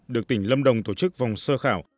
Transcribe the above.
được tỉnh lâm đồng tổ chức vòng sơ khảo